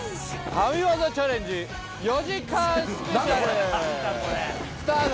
「神業チャレンジ」４時間スペシャルスタート！